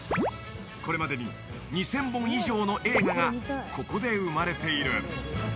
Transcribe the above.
これまでに２０００本以上の映画がここで生まれている。